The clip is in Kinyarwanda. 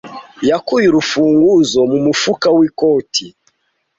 Yakuye urufunguzo mu mufuka w'ikoti.